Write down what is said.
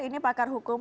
ini pakar hukum